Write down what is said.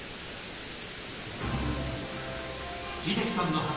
秀樹さんの畑